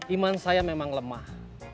iman saya memang lemah